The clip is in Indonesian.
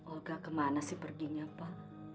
olga kemana sih perginya pa